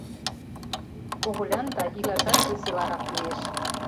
Когылянда илашат веселарак лиеш.